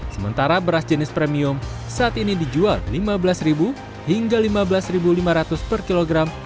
sementara beras jenis premium saat ini dijual rp lima belas hingga rp lima belas lima ratus per kilogram